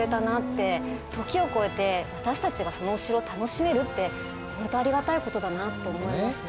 時を超えて私たちがそのお城を楽しめるってほんとありがたいことだなと思いますね。